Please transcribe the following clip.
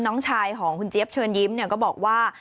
น้องชายของคุณเจี๊ยบเชิญยิ้มก็บอกว่า